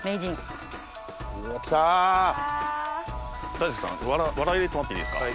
大輔さんわら入れてもらっていいですか？